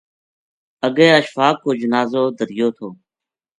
اگے اشفاق کو جنازو دھریو تھو